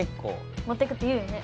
持ってくって言うよね